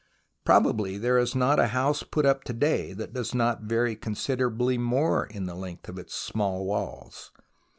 Probably there is not a house put up to day that does not vary considerably more in the length of its small walls.